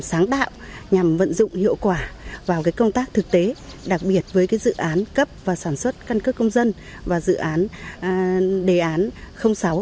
sáng tạo nhằm vận dụng hiệu quả vào công tác thực tế đặc biệt với dự án cấp và sản xuất căn cước công dân và dự án đề án sáu